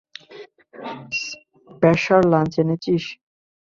Spacer lunch এনেছিস?